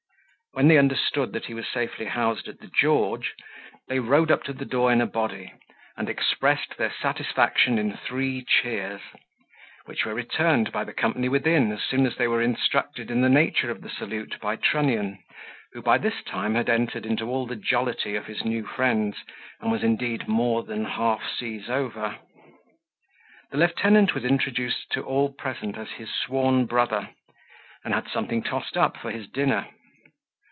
When they understood he was safely housed at the George, they rode up to the door in a body, and expressed their satisfaction in three cheers; which were returned by the company within, as soon as they were instructed in the nature of the salute by Trunnion, who, by this time, had entered into all the jollity of his new friends, and was indeed more than half seas over. The lieutenant was introduced to all present as his sworn brother, and had something tossed up for his dinner.